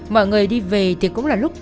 mọi người đi về thì cũng là lúc